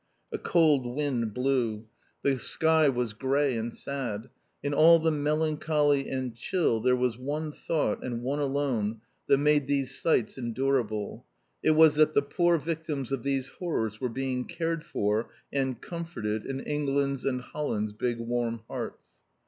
A cold wind blew; the sky was grey and sad; in all the melancholy and chill there was one thought and one alone that made these sights endurable. It was that the poor victims of these horrors were being cared for and comforted in England's and Holland's big warm hearts.